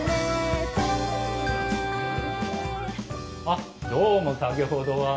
あっどうも先ほどは。